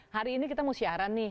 hari ini kita mau siaran nih